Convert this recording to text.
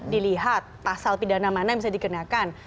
dilihat pasal pidana mana yang bisa dikenakan